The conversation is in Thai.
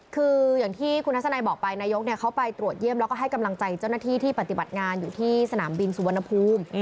คืออย่างที่คุณทัศนัยบอกไปนายกเขาไปตรวจเยี่ยมแล้วก็ให้กำลังใจเจ้าหน้าที่ที่ปฏิบัติงานอยู่ที่สนามบินสุวรรณภูมิ